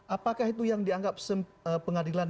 apakah itu yang dianggap pengadilan